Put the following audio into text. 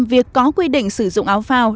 việc có quy định sử dụng áo phao